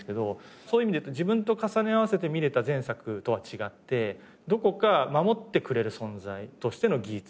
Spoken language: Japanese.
そういう意味で言うと自分と重ね合わせて見れた前作とは違ってどこか守ってくれる存在としてのギーツ。